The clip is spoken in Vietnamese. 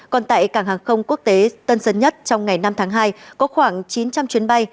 còn tại cảng hàng không quốc tế tân sơn nhất trong ngày năm tháng hai có khoảng chín trăm linh chuyến bay